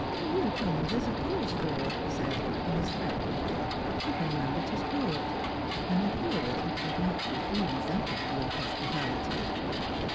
"You'll come with us, of course, Forde," he said, in hia friendly way, looking round at his curate, and the curate did not refuse that offer of hospitality.